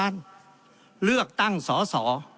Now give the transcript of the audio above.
เลือกตั้งสส